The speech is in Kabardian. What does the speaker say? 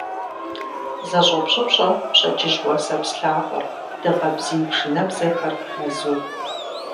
ЗэщӀопщӀыпщӀэ пщэдджыжь уасэпс лъагъуэр, дыгъэ бзий пшынэбзэхэр мэзу.